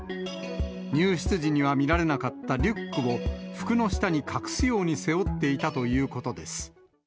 入室時には見られなかったリュックを服の下に隠すように背負っていたということです。